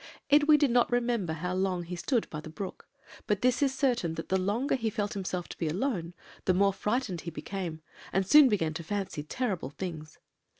"Edwy did not remember how long he stood by the brook; but this is certain that the longer he felt himself to be alone, the more frightened he became, and soon began to fancy terrible things.